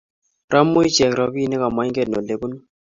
Romu ichek robinik ama ingen olebunu